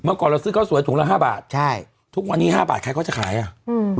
ก่อนเราซื้อข้าวสวยถุงละห้าบาทใช่ทุกวันนี้ห้าบาทใครเขาจะขายอ่ะอืม